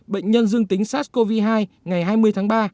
bệnh nhân dương tính sars cov hai ngày hai mươi tháng ba